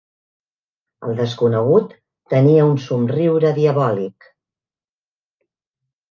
El desconegut tenia un somriure diabòlic.